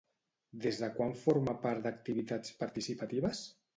Des de quan forma part d'activitats participatives?